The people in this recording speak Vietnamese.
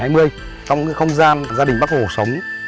một cái không gian gia đình bắc hồ sống